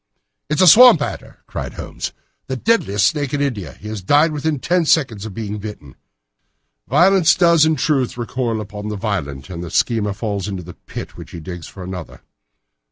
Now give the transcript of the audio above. "It is a swamp adder!" cried Holmes; "the deadliest snake in India. He has died within ten seconds of being bitten. Violence does, in truth, recoil upon the violent, and the schemer falls into the pit which he digs for another.